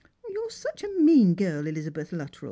You're Buch a mean girl, Elizabeth Luttrell.